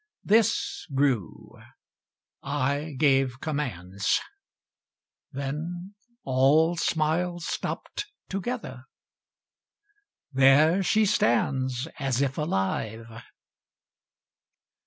This grew; I gave commands; Then all smiles stopped together. There she stands As if alive.